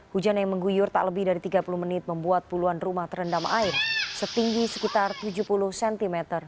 hujan yang mengguyur tak lebih dari tiga puluh menit membuat puluhan rumah terendam air setinggi sekitar tujuh puluh cm